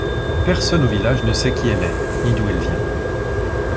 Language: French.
Personne au village ne sait qui elle est, ni d'où elle vient.